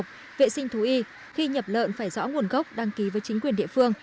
học vệ sinh thú y khi nhập lợn phải rõ nguồn gốc đăng ký với chính quyền địa phương